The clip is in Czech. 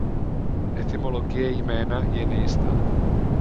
Etymologie jména je nejistá.